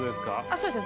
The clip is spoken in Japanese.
そうですね